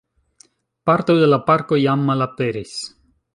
Parto de la parko jam malaperis.